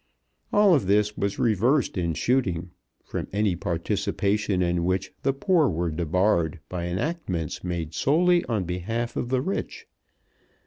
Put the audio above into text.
All of this was reversed in shooting, from any participation in which the poor were debarred by enactments made solely on behalf of the rich.